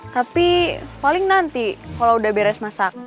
tapi paling nanti kalau udah beres masak